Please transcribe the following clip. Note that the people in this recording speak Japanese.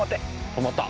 止まった。